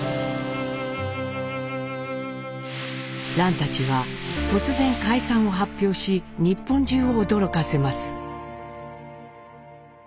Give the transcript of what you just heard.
蘭たちは突然解散を発表し日本中を驚かせます。